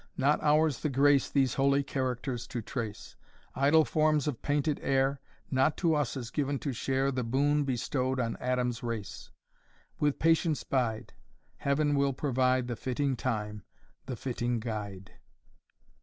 Not ours the grace These holy characters to trace: Idle forms of painted air, Not to us is given to share The boon bestow'd on Adam's race! With patience bide. Heaven will provide The fitting time, the fitting guide."